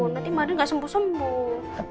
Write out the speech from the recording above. nanti mbak andin gak sembuh sembuh